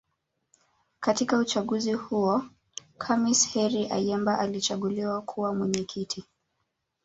Katika uchaguzi huo Khamis Heri Ayemba alichaguliwa kuwa Mwenyekiti